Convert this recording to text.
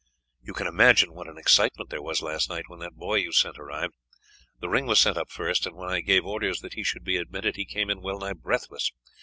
"You can imagine what an excitement there was last night when that boy you sent arrived. The ring was sent up first, and when I gave orders that he should be admitted he came in well nigh breathless.